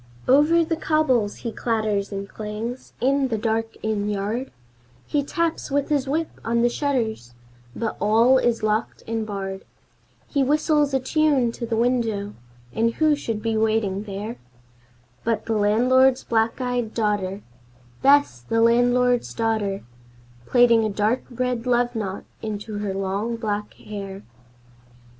Over the cobbles he clatters and clangs in the dark inn yard, He taps with his whip on the shutters, but all is locked and barred, He whistles a tune to the window, and who should be waiting there But the landlord's black eyed daughter Bess, the landlord's daughter Plaiting a dark red love knot into her long black hair.